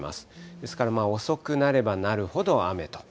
ですから遅くなればなるほど雨と。